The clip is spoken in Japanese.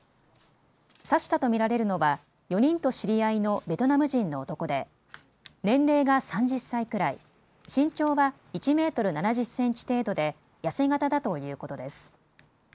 刺したと見られるのは４人と知り合いのベトナム人の男で、年齢が３０歳くらい、身長は１メートル７０センチ程度で痩せ型だということです。